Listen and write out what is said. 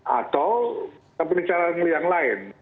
atau kita punya cara yang lain